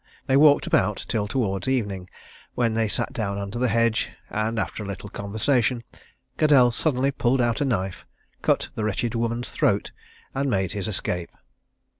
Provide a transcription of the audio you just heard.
They walked about till towards evening, when they sat down under the hedge, and after a little conversation, Caddell suddenly pulled out a knife, cut the wretched woman's throat, and made his escape.